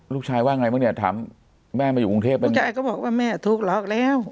ลูกชายว่าไงบ้างเนี่ยถามแม่มาอยู่กรุงเทพไหมยายก็บอกว่าแม่ถูกหลอกแล้ว